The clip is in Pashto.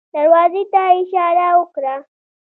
دروازې ته يې اشاره وکړه.